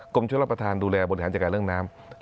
ช่วยรับประทานดูแลบริหารจัดการเรื่องน้ำ